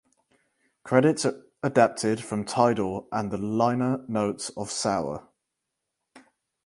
Credits adapted from Tidal and the liner notes of "Sour".